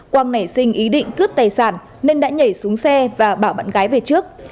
quang nảy sinh ý định cướp tài sản nên đã nhảy xuống xe và bảo bạn gái về trước